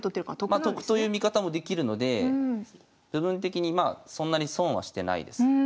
まあ得という見方もできるので部分的にまあそんなに損はしてないです。